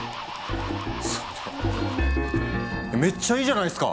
それめっちゃいいじゃないすか！